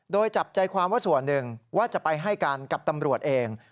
โดยจับใจความว่าส่วนหนึ่งว่าจะไปให้การกับตำรวจเอง